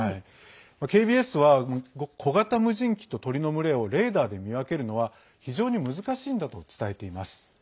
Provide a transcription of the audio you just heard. ＫＢＳは小型無人機と鳥の群れをレーダーで見分けるのは非常に難しいんだと伝えています。